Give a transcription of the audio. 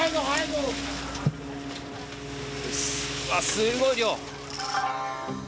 すごい量。